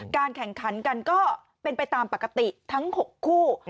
แข่งขันกันก็เป็นไปตามปกติทั้ง๖คู่